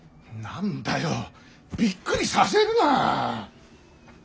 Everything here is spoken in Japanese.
何だよびっくりさせるな。